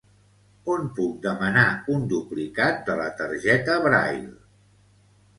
On puc demanar un duplicat de la targeta Braille?